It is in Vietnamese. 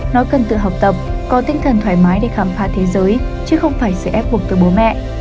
nó cần tự học tập có tinh thần thoải mái để khám phá thế giới chứ không phải sự ép buộc từ bố mẹ